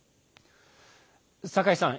酒井さん。